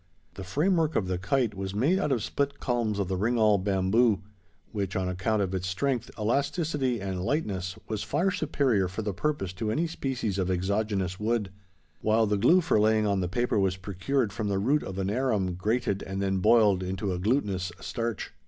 The framework of the kite was made out of split culms of the ringall bamboo; which, on account of its strength, elasticity, and lightness, was far superior for the purpose to any species of exogenous wood; while the glue for laying on the paper was procured from the root of an arum grated, and then boiled into a glutinous starch.